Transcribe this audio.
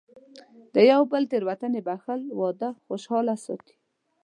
د یو بل تېروتنې بښل، واده خوشحاله ساتي.